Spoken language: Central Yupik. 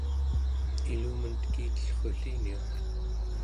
ilumun tekitellrulliniuq